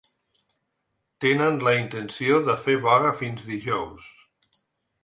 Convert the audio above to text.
Tenen la intenció de fer vaga fins dijous.